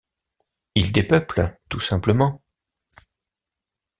Il dépeuple, tout simplement.